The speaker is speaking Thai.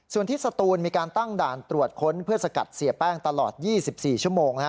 ส่วนที่สตูนมีการตั้งด่านตรวจค้นเพื่อสกัดเสียแป้งตลอด๒๔ชั่วโมง